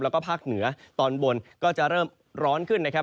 แล้วก็ภาคเหนือตอนบนก็จะเริ่มร้อนขึ้นนะครับ